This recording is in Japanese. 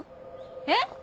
えっ！？